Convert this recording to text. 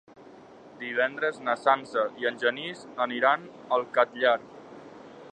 Divendres na Sança i en Genís aniran al Catllar.